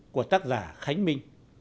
của tác giả khánh minh